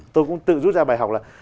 tôi cũng tự rút ra bài học là